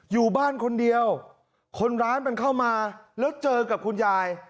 อยู่บ้านคนเดียวคนร้ายมันเข้ามาแล้วเจอกับคุณยาย